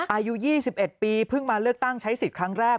อายุ๒๑ปีเพิ่งมาเลือกตั้งใช้สิทธิ์ครั้งแรก